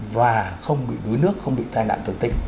và không bị đuối nước không bị tai nạn thường tình